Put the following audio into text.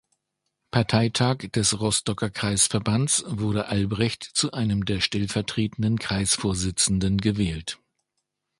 Parteitag des Rostocker Kreisverbands wurde Albrecht zu einem der stellvertretenden Kreisvorsitzenden gewählt.